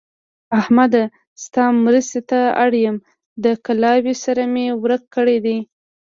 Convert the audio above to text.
احمده! ستا مرستې ته اړ يم؛ د کلاوې سر مې ورک کړی دی.